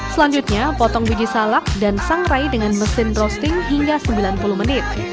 selanjutnya potong biji salak dan sangrai dengan mesin roasting hingga sembilan puluh menit